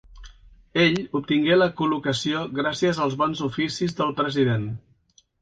Ell obtingué la col·locació gràcies als bons oficis del president.